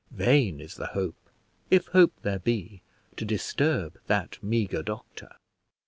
Vain is the hope, if hope there be, to disturb that meagre doctor.